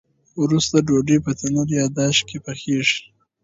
وروسته ډوډۍ په تنور یا داش کې پخیږي.